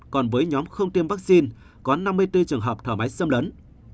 còn với nhóm không tiêm vaccine có năm mươi bốn trường hợp thở máy xâm lấn